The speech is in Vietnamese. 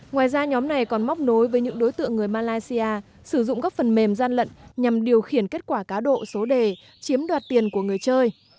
ngoài ra nhóm này còn móc nối với những đối tượng người malaysia sử dụng các phần mềm gian lận nhằm điều khiển kết quả cá độ số đề chiếm đoạt tiền của người chơi